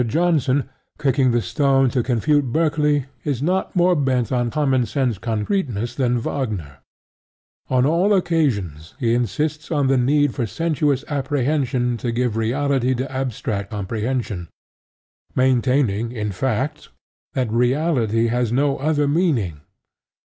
Johnson kicking the stone to confute Berkeley is not more bent on common sense concreteness than Wagner: on all occasions he insists on the need for sensuous apprehension to give reality to abstract comprehension, maintaining, in fact, that reality has no other meaning.